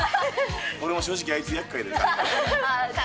俺も正直、あいつやっかいでさ。